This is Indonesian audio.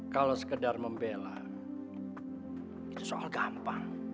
kalau sekedar membela itu soal gampang